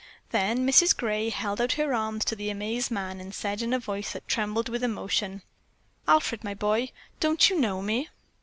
Then Mrs. Gray held out her arms to the amazed man and said in a voice that trembled with emotion, "Alfred, my boy, don't you know me?"